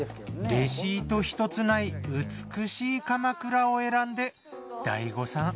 レシート一つない美しい鎌倉を選んで大誤算。